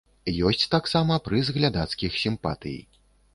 Ёсць таксама прыз глядацкіх сімпатый.